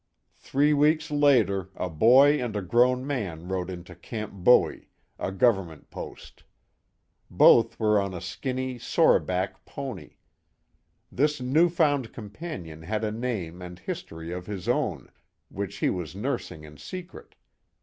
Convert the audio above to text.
Three weeks later a boy and a grown man rode into Camp Bowie, a government post. Both were on a skinny, sore back pony. This new found companion had a name and history of his own, which he was nursing in secret.